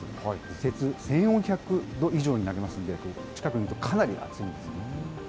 鉄１４００度以上になりますので、近くに行くとかなり暑いんですね。